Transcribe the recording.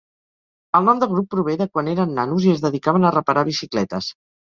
El nom del grup prové de quan eren nanos i es dedicaven a reparar bicicletes.